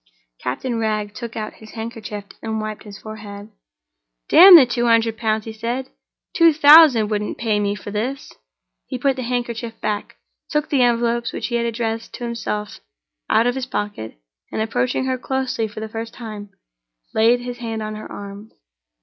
Captain Wragge took out his handkerchief and wiped his forehead. "Damn the two hundred pounds!" he said. "Two thousand wouldn't pay me for this!" He put the handkerchief back, took the envelopes which he had addressed to himself out of his pocket, and, approaching her closely for the first time, laid his hand on her arm.